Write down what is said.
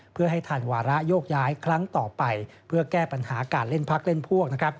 เพื่อให้ทันวาระโยกย้ายครั้งต่อไปเพื่อแก้ปัญหาการเล่นพักเล่นพวก